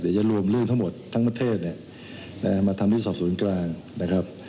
จะรวมเรื่องทั้งหมดทั้งประเทศเนี่ยมาทำที่สอบศูนย์กลางนะครับ